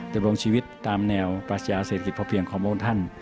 ดีบร่งชีวิตตามแนวประชาเศรษฐกิจพอเพียงของพวกท่าน